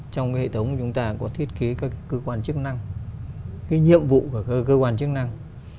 trong cái hệ thống chúng ta có thiết kế các cơ quan chức năng cái nhiệm vụ của các cơ quan chức năng